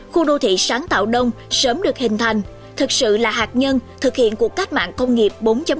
khu đô thị sáng tạo đông sớm được hình thành thực sự là hạt nhân thực hiện cuộc cách mạng công nghiệp bốn